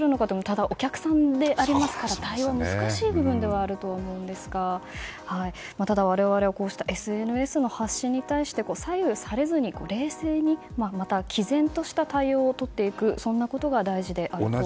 ただ、お客さんではありますので対応が難しい部分ではあると思うんですが我々はＳＮＳの発信について左右されずに冷静にまた、毅然とした対応をとっていく、そんなことが大事であると感じます。